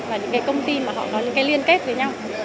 và những cái công ty mà họ có những cái liên kết với nhau